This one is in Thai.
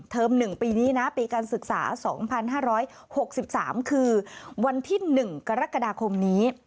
๑ปีนี้นะปีการศึกษา๒๕๖๓คือวันที่๑กรกฎาคมนี้